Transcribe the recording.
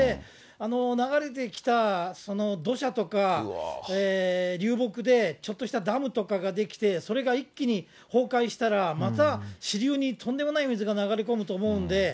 流れてきた土砂とか流木でちょっとしたダムとかが出来て、それが一気に崩壊したら、また支流にとんでもない水が流れ込むと思うんで。